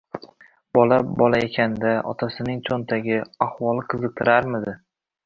Bola – bola ekan-da. Otasining cho‘ntagi, ahvoli qiziqtirarmidi?